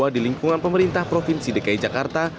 di lingkungan pemerintah provinsi dki jakarta